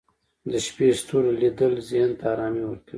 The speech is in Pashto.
د شپې ستوري لیدل ذهن ته ارامي ورکوي